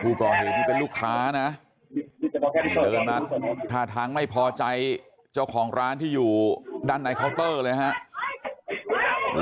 ผู้ก่อเหตุที่เป็นลูกค้านะเดินมาท่าทางไม่พอใจเจ้าของร้านที่อยู่ด้านในเคาน์เตอร์เลยครับ